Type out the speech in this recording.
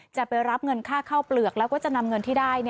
จะไปรับเงินค่าข้าวเปลือกแล้วก็จะนำเงินที่ได้